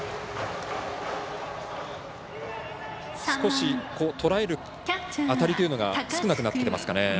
少し、とらえる当たりというのが少なくなってきていますかね。